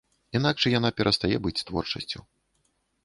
Інакш яна перастае быць творчасцю.